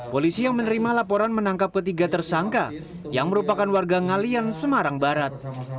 polisi yang menerima laporan menangkap ketiga tersangka yang merupakan warga ngalian semarang barat